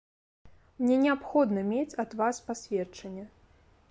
Мне неабходна мець ад вас пасведчанне.